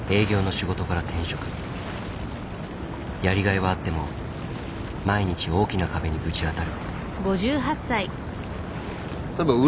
やりがいはあっても毎日大きな壁にぶち当たる。